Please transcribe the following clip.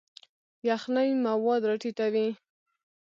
یخنۍ مواد راټیټوي.